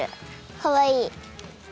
かわいい。